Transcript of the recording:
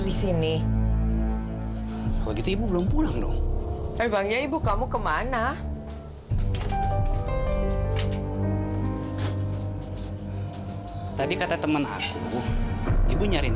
ini begitu belum pulang dong hebatnya ibu kamu ke mana tadi kata temen aku ibu nyariin